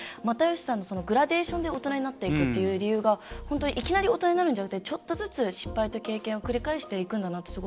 又吉さんのグラデーションで大人になっていくって言うのが大人になるんじゃなくてちょっとずつ失敗と経験を繰り返していくんだなと。